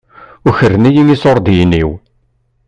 Ukren-iyi iṣuṛdiyen-iw.